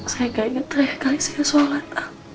saya gak inget terakhir kali saya sholat